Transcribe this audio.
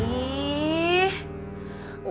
gak cukup pulsaanya